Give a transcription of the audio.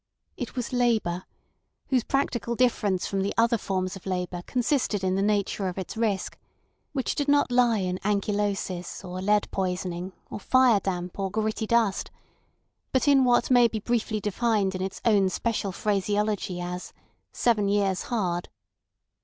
It was labour, whose practical difference from the other forms of labour consisted in the nature of its risk, which did not lie in ankylosis, or lead poisoning, or fire damp, or gritty dust, but in what may be briefly defined in its own special phraseology as "Seven years hard."